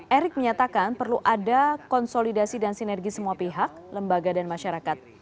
erick menyatakan perlu ada konsolidasi dan sinergi semua pihak lembaga dan masyarakat